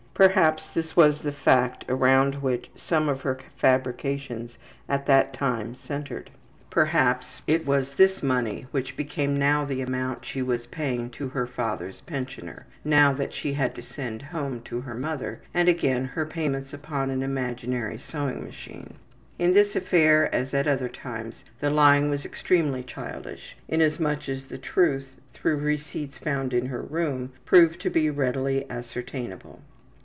Perhaps this was the fact around which some of her fabrications at that time centered. Perhaps it was this money which became now the amount she was paying to her father's pensioner, now what she had to send home to her mother, and, again, her payments upon an imaginary sewing machine. In this affair, as at other times, the lying was extremely childish, inasmuch as the truth, through receipts found in her room, proved to be readily ascertainable.